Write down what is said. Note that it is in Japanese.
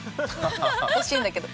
欲しいんだけど。